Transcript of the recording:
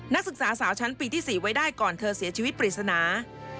นักศึกษาสาวชั้นปีที่๔ไว้ได้ก่อนเธอเสียชีวิตปริศนา